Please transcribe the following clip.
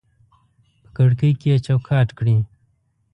په کړکۍ کې یې چوکاټ کړي